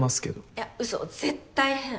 いやうそ絶対変。